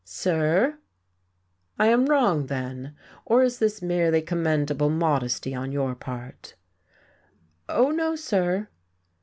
"Sir?" "I am wrong, then. Or is this merely commendable modesty on your part?" "Oh, no, sir."